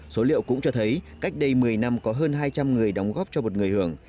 số liệu cũng cho thấy cách đây một mươi năm có hơn hai trăm linh người đóng góp cho một người hưởng